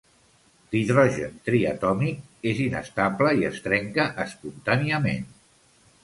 L'hidrogen triatòmic és inestable i es trenca espontàniament.